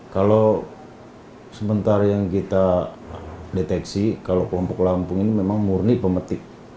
kalau sementara yang kita deteksi kalau kelompok lampung ini memang murni pemetik